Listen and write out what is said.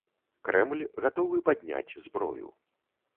Крэмль гатовы падняць зброю.